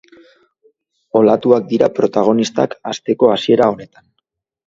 Olatuak dira protagonistak asteko hasiera honetan.